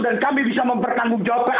dan kami bisa mempertanggung jawabkan